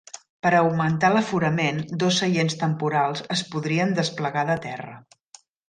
Per augmentar l'aforament, dos seients temporals es podrien desplegar de terra.